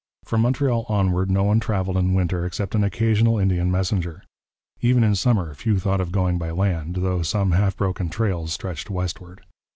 From Montreal onward no one travelled in winter except an occasional Indian messenger. Even in summer few thought of going by land, though some half broken trails stretched westward.